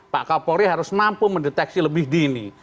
pak kapolri harus mampu mendeteksi lebih dini